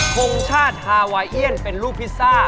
คงชาติฮาวาเอียนเป็นลูกพิซซ่า